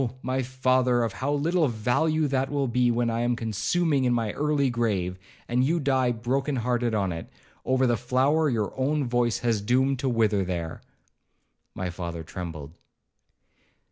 my father, of how little value will that be, when I am consuming in my early grave, and you die broken hearted on it, over the flower your own voice has doomed to wither there.' My father trembled.